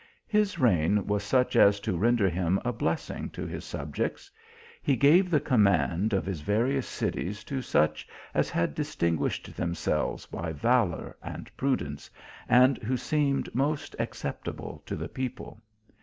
His reign was such as to render him a blessing to his subjects. He gave the command of his various cities to such as had distinguished themselves by valour and prudence, and who seemed most accept able to the people.